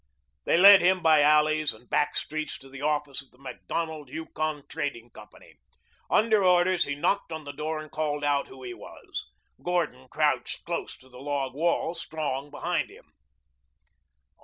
They led him by alleys and back streets to the office of the Macdonald Yukon Trading Company. Under orders he knocked on the door and called out who he was. Gordon crouched close to the log wall, Strong behind him.